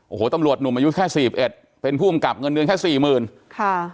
โอ้โหตำรวจหนุ่มอายุแค่สี่สิบเอ็ดเป็นผู้กำกับเงินเดือนแค่สี่หมื่นค่ะ